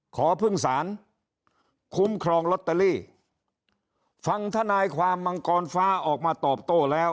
ขอพึ่งสารคุ้มครองลอตเตอรี่ฟังธนายความมังกรฟ้าออกมาตอบโต้แล้ว